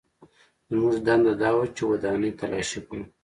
زموږ دنده دا وه چې ودانۍ تلاشي کړو